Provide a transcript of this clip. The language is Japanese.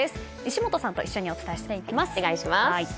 石本さんと一緒にお伝えします。